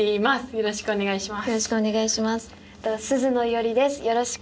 よろしくお願いします。